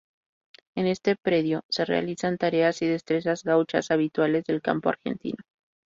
En este predio se realizan tareas y destrezas gauchas habituales del campo argentino.